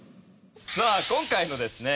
さあ今回のですね